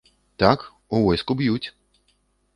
Так, у войску б'юць.